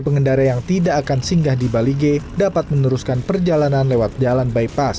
pengendara yang tidak akan singgah di bali g dapat meneruskan perjalanan lewat jalan bypass